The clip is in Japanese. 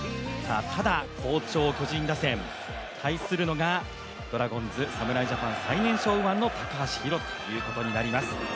ただ、好調、巨人打線。対するのがドラゴンズ侍ジャパン最年少右腕の高橋宏斗になります。